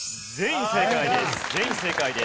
全員正解です。